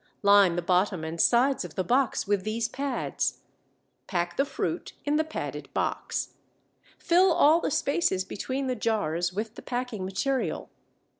Line the bottom and sides of the box with these pads. Pack the fruit in the padded box. Fill all the spaces between the jars with the packing material.